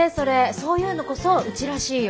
そういうのこそうちらしいよ。